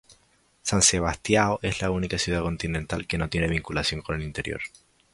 San Sebastião es la única ciudad continental que no tiene vinculación con el interior.